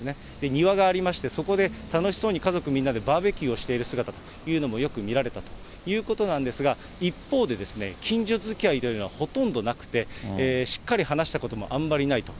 庭がありまして、そこで楽しそうに家族みんなでバーベキューをしている姿というのもよく見られたということなんですが、一方で、近所づきあいというのはほとんどなくて、しっかり話したことも、あんまりないと。